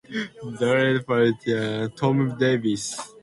The Labour Party candidate was Brecon town councillor Tom Davies.